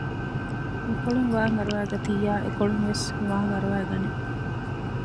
މިކޮޅުން ވާން އަރުވައިގަތިއްޔާ އެކޮޅުން ވެސް ވާން އަރުވައި ގަނެ